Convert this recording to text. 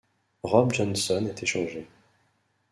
Rob Johnson est échangé.